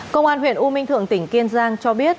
cơ quan huyện u minh thượng tỉnh kiên giang cho biết